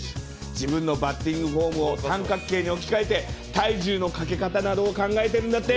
自分のバッティングフォームを三角形に置き換えて、体重のかけ方などを考えてるんだって。